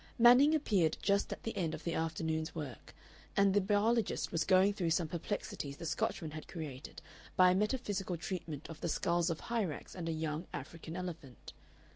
Manning appeared just at the end of the afternoon's work, and the biologist was going through some perplexities the Scotchman had created by a metaphysical treatment of the skulls of Hyrax and a young African elephant.